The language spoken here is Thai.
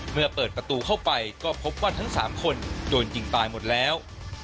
เมื่อเปิดประตูเข้าไปก็พบว่าทั้ง๓คนโดนยิงตายหมดแล้ว